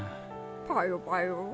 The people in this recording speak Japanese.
パヨパヨォ。